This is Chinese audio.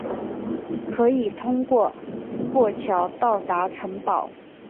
可以通过过桥到达城堡。